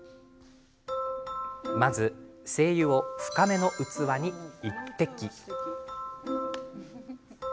まず、精油を深めの器に１滴。